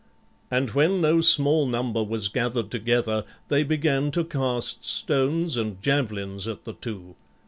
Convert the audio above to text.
And when no small number was gathered together, they began to cast stones and javelins at the two.